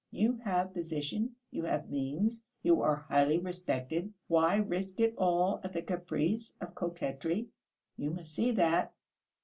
You have position, you have means, you are highly respected. Why risk it all at the caprice of coquetry? You must see that.'